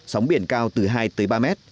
sóng biển cao từ hai tới ba mét